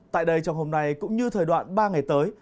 tại đây trong hôm nay cũng như thời đoạn ba ngày tới